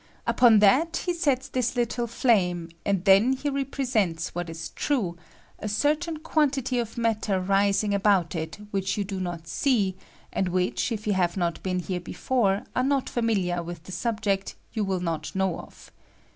Upon that he sets this little flame, (Bid then he repreaenta what is true, a certain quantity of matter rising about it which you do not see, and which, if you have not been here before, or are not Gimiliar with the subject, you will not know of.